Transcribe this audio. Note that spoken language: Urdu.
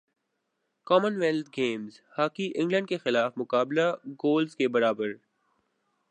common wealth Games hockey England کیخلاف مقابلہ گولز سے برابر